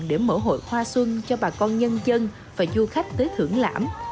để mở hội hoa xuân cho bà con nhân dân và du khách tới thưởng lãm